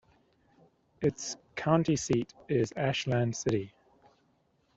Its county seat is Ashland City.